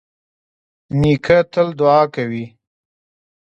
نیکه تل دعا کوي.